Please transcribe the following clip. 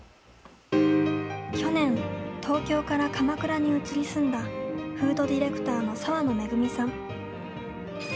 去年、東京から鎌倉に移り住んだフードディレクターのさわのめぐみさん。